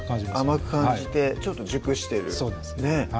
甘く感じてちょっと熟してるそうです